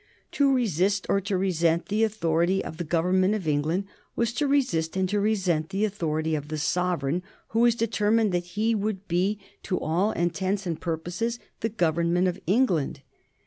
To resist or to resent the authority of the Government of England was to resist and to resent the authority of the sovereign who was determined that he would be to all intents and purposes the Government of England.